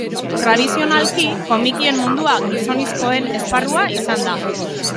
Tradizionalki komikien mundua gizonezkoen esparrua izan da.